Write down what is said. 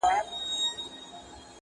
سمدستي یې پلرنی عادت په ځان سو.!